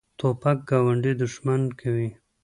توپک ګاونډي دښمن کوي.